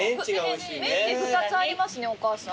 メンチ２つありますねお母さん。